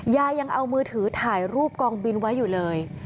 ยังเอามือถือถ่ายรูปกองบินไว้อยู่เลย